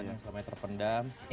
yang selama ini terpendam